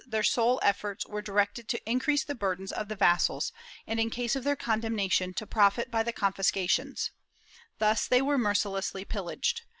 II] EXACTIONS 877 the Cortes, their sole efforts were directed to increase the burdens of the vassals and, in case of their condemnation, to profit by the confiscations. Thus they were mercilessly pillaged.